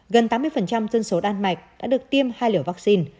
gần tám mươi dân số đan mạch đã được tiêm hai liều vaccine